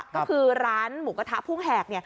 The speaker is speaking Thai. ก็คือร้านหมูกระทะพุ่งแหก